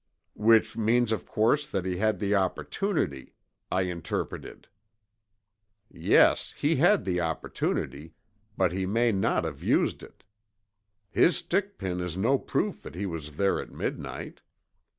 "Which means of course that he had the opportunity," I interpreted. "Yes, he had the opportunity, but he may not have used it. His stick pin is no proof that he was there at midnight.